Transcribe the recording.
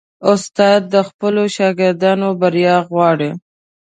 استاد د خپلو شاګردانو بریا غواړي.